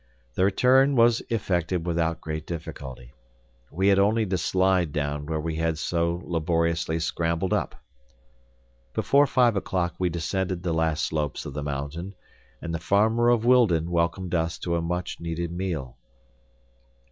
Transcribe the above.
The return was effected without great difficulty. We had only to slide down where we had so laboriously scrambled up. Before five o'clock we descended the last slopes of the mountain, and the farmer of Wildon welcomed us to a much needed meal.